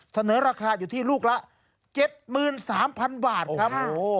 เสนอราคาอยู่ที่ลูกละ๗๓๐๐๐บาทครับ